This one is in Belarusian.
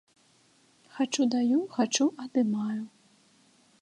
Хачу даю, хачу адымаю.